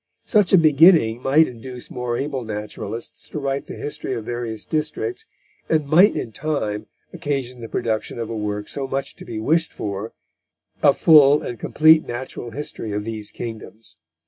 Such a beginning might induce more able naturalists to write the history of various districts, and might in time occasion the production of a work so much to be wished for, a full and compleat nat: history of these kingdoms."